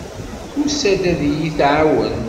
Tusa-d ad iyi-tɛawen.